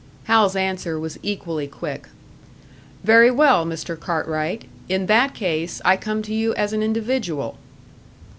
Hal's answer was equally quick. "Very well, Mr. Cartwright. In that case, I come to you as an individual."